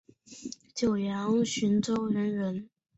九江浔阳人人。